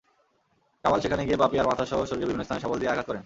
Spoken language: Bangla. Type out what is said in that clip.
কামাল সেখানে গিয়ে পাপিয়ার মাথাসহ শরীরের বিভিন্ন স্থানে শাবল দিয়ে আঘাত করেন।